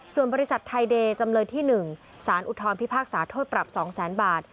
ส่วนบริษัทไทยเดย์จำเลยที่๑สารอุทธรพิพากษาโทษปรับ๒๐๐๐๐บาท